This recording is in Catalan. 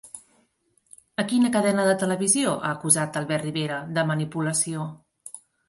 A quina cadena de televisió ha acusat Albert Rivera de manipulació?